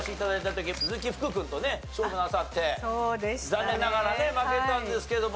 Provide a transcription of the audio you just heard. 残念ながらね負けたんですけども。